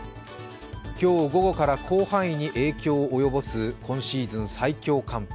今日午後から広範囲に影響を及ぼす今シーズン最強寒波。